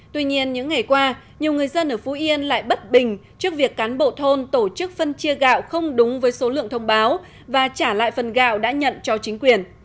tuy nhiên những ngày qua nhiều người dân ở phú yên lại bất bình trước việc cán bộ thôn tổ chức phân chia gạo không đúng với số lượng thông báo và trả lại phần gạo đã nhận cho chính quyền